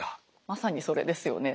まさにそれですよね。